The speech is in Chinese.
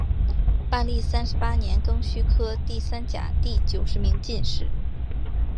万历三十八年庚戌科第三甲第九十名进士。